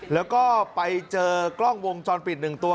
แล้วก็ไปเจอกล้องวงจรปิด๑ตัว